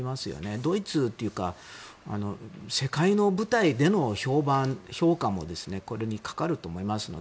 ドイツというか世界の舞台での評判、評価もこれにかかると思いますので。